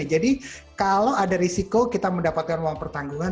jadi kalau ada risiko kita mendapatkan uang pertanggungan